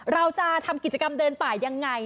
เราจะทำกิจกรรมเดินป่ายังไง